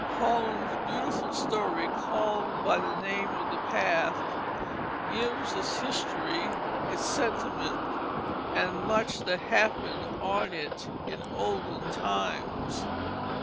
Holland's beautiful story called by the name of the path gives its history, its sentiment, and much that happened on it in olden times.